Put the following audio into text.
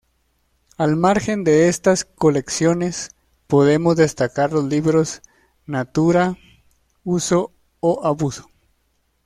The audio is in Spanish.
Al margen de estas colecciones, podemos destacar los libros "Natura, uso o abuso?